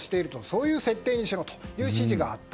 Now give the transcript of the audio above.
そういう設定にしろという指示があった。